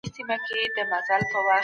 اوس هغه د خپل صبر مېوه اخلي.